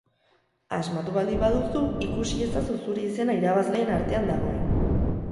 Asmatu baldin baduzu ikusi ezazu zure izena irabazleen artean dagoen.